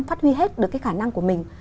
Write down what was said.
phát huy hết được cái khả năng của mình